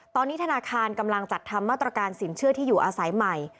ตอนนี้ธนาคารกำลังจัดทำมาตรการสินเชื่อที่อยู่อาศัยใหม่